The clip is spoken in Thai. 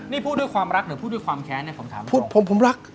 นี่พูดด้วยความรักหรือพูดด้วยความแค้นเนี่ยผมถามผมผมรัก